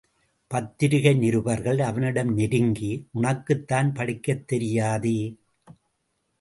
பத்திரிகை நிருபர்கள் அவனிடம் நெருங்கி— உனக்குத்தான் படிக்கத்தெரியாதே?